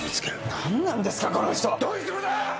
何なんですかこの人！どういうつもりだ！